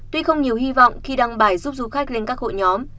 tuy không nhiều hy vọng khi đăng bài giúp du khách lên các hội nhóm